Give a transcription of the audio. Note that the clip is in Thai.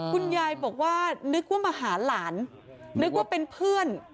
คุณยายบอกว่านึกว่ามาหาหลานนึกว่าเป็นเพื่อน